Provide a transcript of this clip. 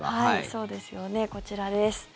そうですよねこちらです。